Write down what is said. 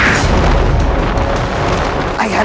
aku akan menangkap dia